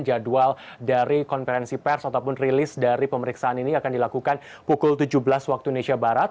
jadwal dari konferensi pers ataupun rilis dari pemeriksaan ini akan dilakukan pukul tujuh belas waktu indonesia barat